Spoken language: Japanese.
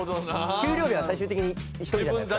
給料日は最終的に１人じゃないですか。